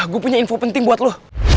gue punya info penting buat lo